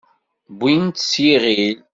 Wwin-t s yiɣil.